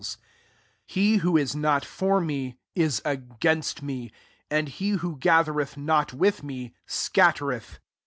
2S He who is not for me, is against me: and he who ga tbereth notwkh me, scattereth.